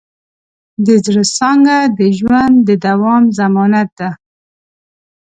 د زړۀ څانګه د ژوند د دوام ضمانت ده.